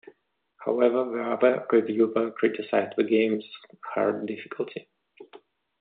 However, the other reviewer criticised the game's hard difficulty.